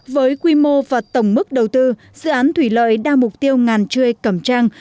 với quy mô và tổng mức đầu tư dự án thủy lợi đa mục tiêu ngàn chươi cầm trang